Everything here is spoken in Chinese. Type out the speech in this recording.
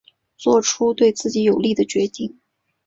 做出对自己有利的决定